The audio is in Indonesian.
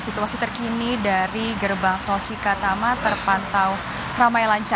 situasi terkini dari gerbang tol cikatama terpantau ramai lancar